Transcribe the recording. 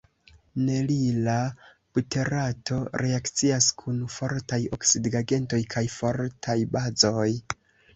Nerila buterato reakcias kun fortaj oksidigagentoj kaj fortaj bazoj.